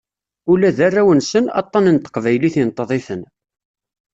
Ula d arraw-nsen, aṭṭan n teqbaylit inṭeḍ-iten.